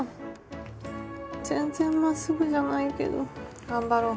全然まっすぐじゃないけど頑張ろう。